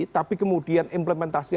tapi kemudian implementasi